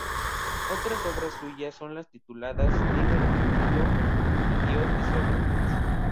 Otras obras suyas son las tituladas "Liber de mundo" y "Dios de Sócrates".